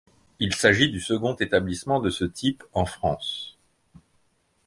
Il s'agit du second établissement de ce type en France.